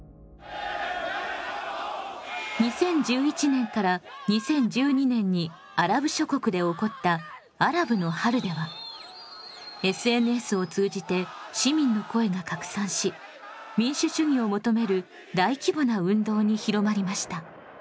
２０１１年から２０１２年にアラブ諸国で起こったアラブの春ではＳＮＳを通じて市民の声が拡散し民主主義を求める大規模な運動に広まりました。